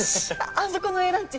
あそこのＡランチ